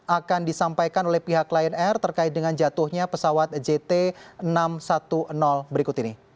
akan disampaikan oleh pihak lion air terkait dengan jatuhnya pesawat jt enam ratus sepuluh berikut ini